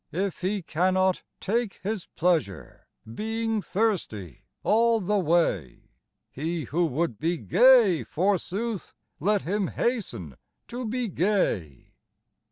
If he cannot take his pleasure, Being thirsty all the way ? He who would be gay, forsooth, Let him hasten to be gay.